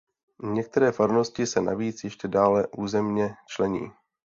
Některé farnosti se navíc ještě dále územně člení.